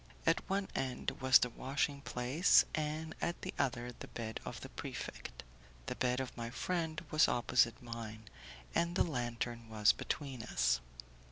At one end was the washing place, and at the other the bed of the prefect. The bed of my friend was opposite mine, and the lantern was between us.